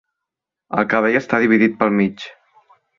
El cabell està dividit pel mig